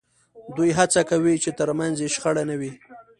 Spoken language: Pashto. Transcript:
دوی هڅه کوي چې ترمنځ یې شخړه نه وي